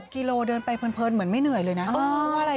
กิโลเดินไปเพลินเหมือนไม่เหนื่อยเลยนะ